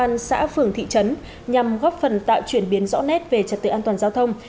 nhằm góp phần tạo chuyển biến rõ nét về trật tự an toàn giao thông